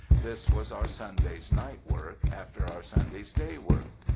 This was our Sunday's night work after our Sunday's day work.